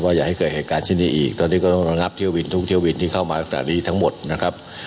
อย่าให้เกิดเหตุการณ์เช่นนี้อีกตอนนี้ก็ต้องระงับเที่ยวบินทุกเที่ยวบินที่เข้ามาตั้งแต่นี้ทั้งหมดนะครับ